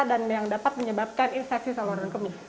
dan yang dapat menyebabkan infeksi saluran kemih